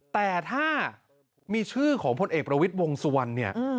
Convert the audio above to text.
แต่ถ้ามีชื่อของพลเอกประวิทย์วงสุวรรณเนี่ย